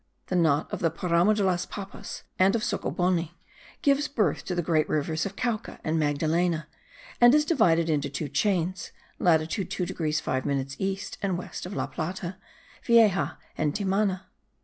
The knot of the Paramo de las Papas and of Socoboni gives birth to the great rivers of Cauca and Magdalena, and is divided into two chains, latitude 2 degrees 5 minutes east and west of La Plata, Vieja and Timana.